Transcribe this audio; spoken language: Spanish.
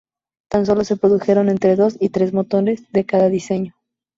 Tan sólo se produjeron entre dos y tres motores de cada diseño.